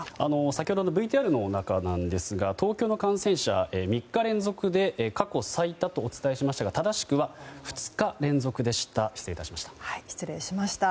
先ほどのＶＴＲの中ですが東京の感染者３日連続で過去最多とお伝えしましたが正しくは２日連続でした。